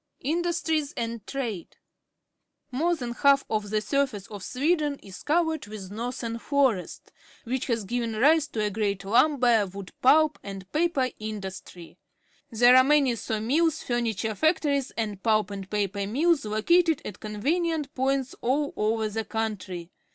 Industries and Trade. — More than half of the surface of Sweden is covered with northern forest, which has given rise to a great lumber, wood pulp, and paper industry. There are many saw mills, furniture factories, and pulp and paper mills located at conven ient points all over the country.